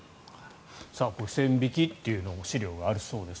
線引きという資料があるそうです。